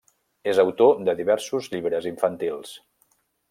És autor de diversos llibres infantils.